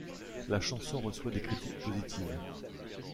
La chanson reçoit des critiques positives.